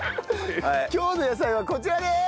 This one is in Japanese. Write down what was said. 今日の野菜はこちらです！